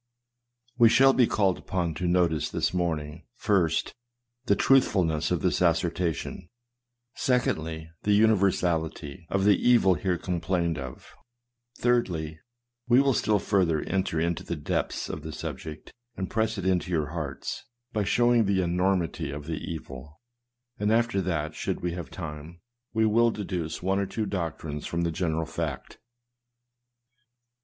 We shall be called upon to notice, this morning, first, the truthfulness of this assertion; secondly, the univer sality of the evil here complained of; thirdly, we will still further enter into the depths of the subject, and press it to your hearts, by showing the enormity of the evil; and after that, should we have time, we will deduce one or two doctrines from the general fact.